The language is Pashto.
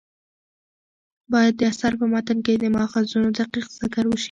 باید د اثر په متن کې د ماخذونو دقیق ذکر وشي.